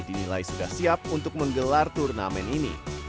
dinilai sudah siap untuk menggelar turnamen ini